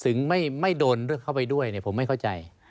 ถึงไม่โดนเข้าไปด้วยเนี่ยผมไม่เข้าใจ